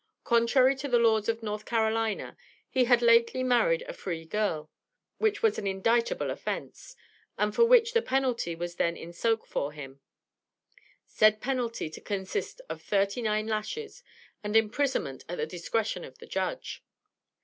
Contrary to the laws of North Carolina, he had lately married a free girl, which was an indictable offence, and for which the penalty was then in soak for him said penalty to consist of thirty nine lashes, and imprisonment at the discretion of the judge.